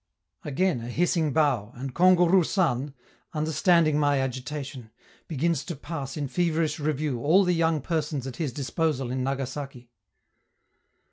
Again a hissing bow, and Kangourou San, understanding my agitation, begins to pass in feverish review all the young persons at his disposal in Nagasaki.